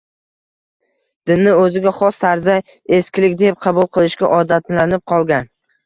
Dinni o‘ziga xos tarzda, “eskilik” deb qabul qilishga odatlanib qolgan